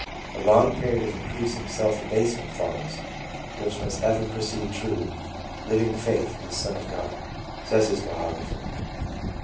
A long period of increasing self abasement follows, " which must ever precede true, liv ing faith in the Son of God," says his biographer.